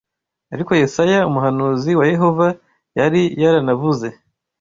Ariko Yesaya, umuhanuzi wa Yehova yari yaranavuze